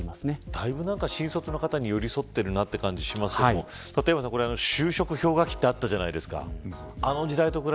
だいぶ新卒の方に寄り添っている感じがしますけれども立岩さん、就職氷河期ってあったじゃないですか。